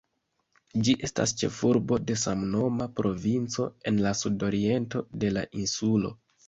Ĝi estas ĉefurbo de samnoma provinco, en la sudoriento de la insulo.